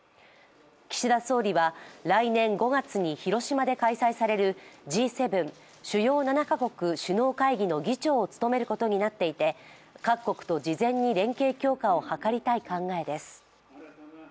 岸田総理は来年５月に広島で開催されるＧ７＝主要７か国首脳会議の議長を務めることになっていて各国と事前に連携強化を図りたい考えです。